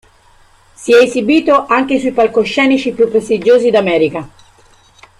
Si è esibito anche sui palcoscenici più prestigiosi d'America.